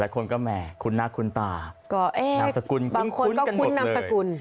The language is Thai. หมดละคนก็แหม่คุณหน้าคุณตาก็น้ำสกุลคุ้นคุ้นกันหมดเลยบางคนก็คุ้นน้ำสกุล